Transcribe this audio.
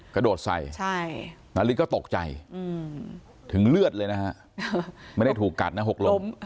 กระโดดใส่นาริสก็ตกใจถึงเลือดเลยนะฮะไม่ได้ถูกกัดนะหกล้ม